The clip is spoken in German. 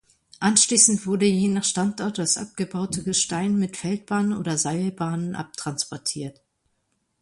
Anschließend wurde je nach Standort das abgebaute Gestein mit Feldbahn oder Seilbahnen abtransportiert.